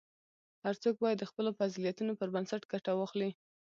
هر څوک باید د خپلو فضیلتونو پر بنسټ ګټه واخلي.